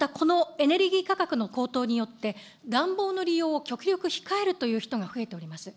また、このエネルギー価格の高騰によって、暖房の利用を極力控えるという人が増えております。